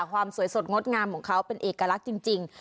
ความสวยสดงดงามของเขาเป็นเอกลักษณ์จริง